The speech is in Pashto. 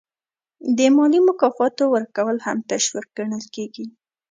د مالي مکافاتو ورکول هم تشویق ګڼل کیږي.